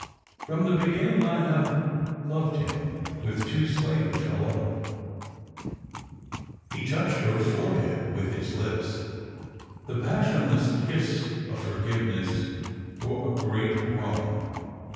From the becinninpf I have loved hiin with too slavish a love." 214 Strangers and Pilgrimt. He touched her forehead with his lips — the passionless kiss of forgiveness for a great wrong.